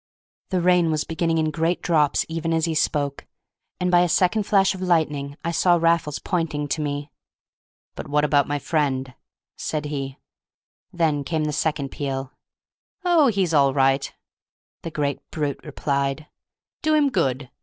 The rain was beginning in great drops, even as he spoke, and by a second flash of lightning I saw Raffles pointing to me. "But what about my friend?" said he. And then came the second peal. "Oh, he's all right," the great brute replied; "do him good!